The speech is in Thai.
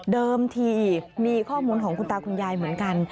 ทีมีข้อมูลของคุณตาคุณยายเหมือนกัน